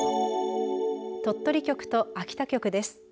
鳥取局と秋田局です。